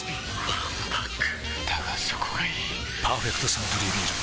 わんぱくだがそこがいい「パーフェクトサントリービール糖質ゼロ」